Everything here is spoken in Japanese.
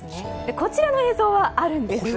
こちらの映像はあるんです。